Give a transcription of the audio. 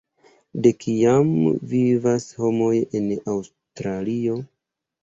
De kiam vivas homoj en Aŭstralio?